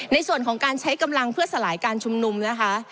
ในส่วนของการใช้กำลังเพื่อสลายการชุมนุมนะคะ